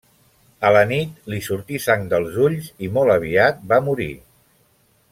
A la nit, li sortí sang dels ulls, i molt aviat va morir.